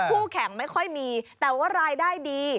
ผู้แข่งไม่ค่อยมีแต่ว่ารายได้ดี